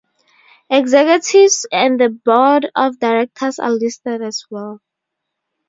Executives and the board of directors are listed as well.